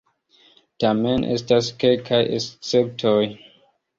Tamen, estas kelkaj esceptoj.